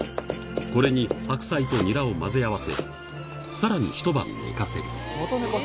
これに白菜とニラを混ぜ合わせさらにひと晩寝かせるまた寝かせる。